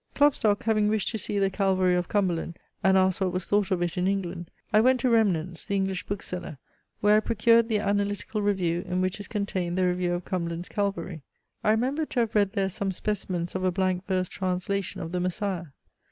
"Klopstock having wished to see the CALVARY of Cumberland, and asked what was thought of it in England, I went to Remnant's (the English bookseller) where I procured the Analytical Review, in which is contained the review of Cumberland's CALVARY. I remembered to have read there some specimens of a blank verse translation of THE MESSIAH.